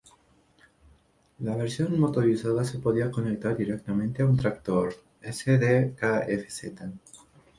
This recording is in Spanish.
La versión motorizada se podía conectar directamente a un tractor Sd.Kfz.